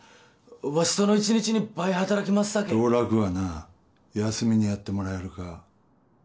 わしその一日に倍働きますさけ道楽はな休みにやってもらえるか？